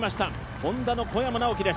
Ｈｏｎｄａの小山直城です。